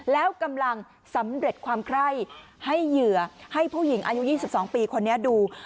แล้วกำลังสำเร็จความไคร้ให้เหยื่อให้ผู้หญิงอายุ๒๒ปีคนนี้ดู